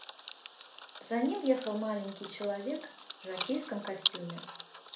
За ним ехал маленький человек в жокейском костюме.